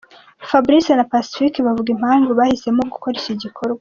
Fabrice na Pacifique bavuga impamvu bahisemo gukora iki gikorwa.